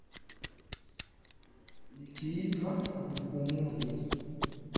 Nikiitwa hukumuni.